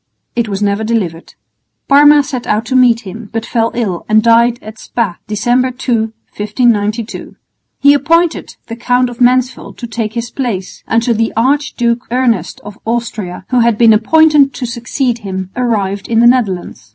It was never delivered. Parma set out to meet him, but fell ill and died at Spa, December 2, 1592. He appointed the Count of Mansfeld to take his place, until the Archduke Ernest of Austria, who had been appointed to succeed him, arrived in the Netherlands.